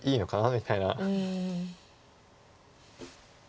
みたいな。